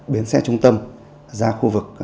biến xe trung tâm ra khu vực